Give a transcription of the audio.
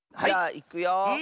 じゃあいくよ。